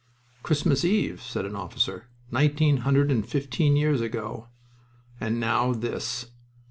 "Christmas Eve!" said an officer. "Nineteen hundred and fifteen years ago... and now this!"